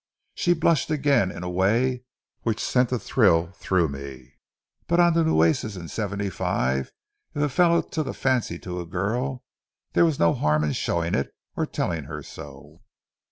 She blushed again in a way which sent a thrill through me. But on the Nueces in '75, if a fellow took a fancy to a girl there was no harm in showing it or telling her so.